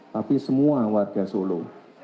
tapi semua warga solo